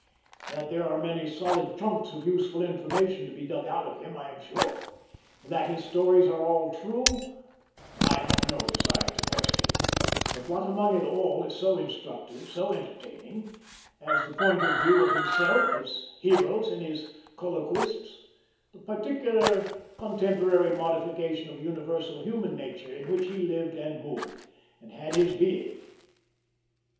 That there are many solid chunks of useful information to be dug out of him I am sure; that his stories are all true, I have no desire to question; but what among it all is so instructive, so entertaining, as the point of view of himself, his heroes, and his colloquists the particular contemporary modification of universal human nature in which he lived, and moved, and had his being?